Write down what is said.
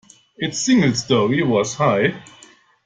Its single story was high.